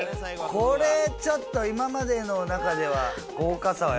これちょっと今までの中では。